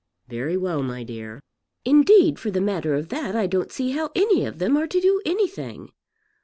"Very well, my dear." "Indeed for the matter of that I don't see how any of them are to do anything.